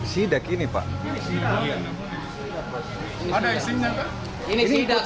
sidak ini pak